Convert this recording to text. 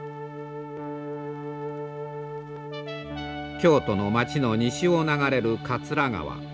京都の街の西を流れる桂川。